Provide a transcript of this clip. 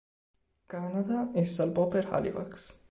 Canada" e salpò per Halifax.